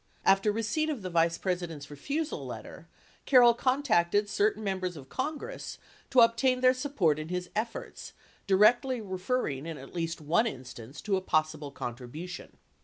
After receipt of the Vice President's refusal letter, Carroll contacted certain Mem bers of Congress to obtain their support in his efforts, directly refer ring, in at least one instance, to a possible contribution.